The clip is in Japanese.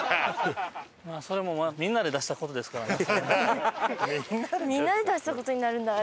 それもまあみんなで出した事ですからね。